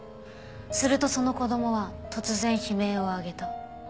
するとその子供は突然悲鳴を上げた。